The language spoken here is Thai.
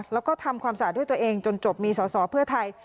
แล้วก็ทำความสะอาดด้วยตัวเองจนจบมีสอสอเพื่อไทย